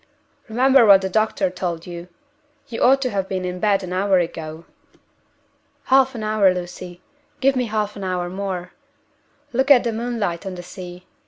Remember what the doctor told you. You ought to have been in bed an hour ago." "Half an hour, Lucy give me half an hour more! Look at the moonlight on the sea.